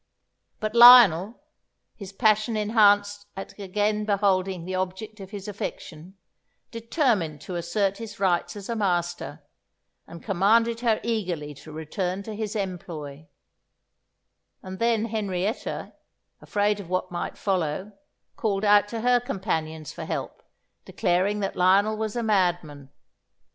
But Lionel, his passion enhanced at again beholding the object of his affection, determined to assert his rights as a master, and commanded her eagerly to return to his employ; and then Henrietta, afraid of what might follow, called out to her companions for help, declaring that Lionel was a madman.